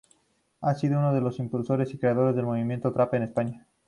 Ha sido uno de los impulsores y creadores del movimiento trap en España.